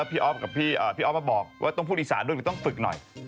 พี่ออฟก็บอกว่าต้องพูดอีสานด้วยต้องฝึกหน่อย